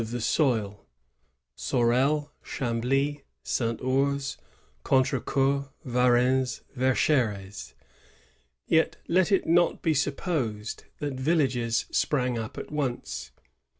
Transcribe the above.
lonli of the soil, — Sorely Chambly, Saint Ouro, (^ontreecBur, Varennes, Verchires. Yet let it not }Hi MUiipoMcd tliat villages sprang up at once.